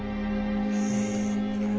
え。